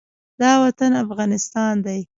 دا وطن افغانستان دى.